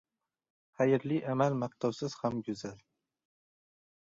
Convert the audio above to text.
• Xayrli amal maqtovsiz ham go‘zal.